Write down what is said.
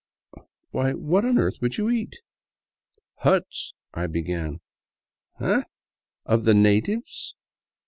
. Why, what on earth would you eat?" " Huts ..." I began. "Eh? Of the natives?